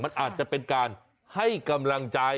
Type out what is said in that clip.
มันอาจจะเป็นการให้กำลังใจ